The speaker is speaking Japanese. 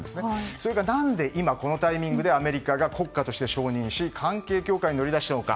それが何で今このタイミングでアメリカが国家として承認し関係強化に乗り出したのか。